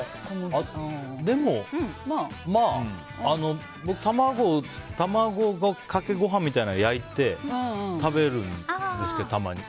でも、まあ僕、卵かけご飯みたいなのを焼いて、食べるんですけどたまに。